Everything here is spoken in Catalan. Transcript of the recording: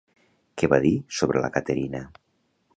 Què va dir sobre la Caterina?